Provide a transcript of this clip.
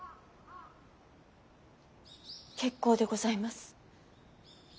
結構でございます。